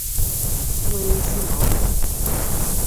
nwee isi na ọdụ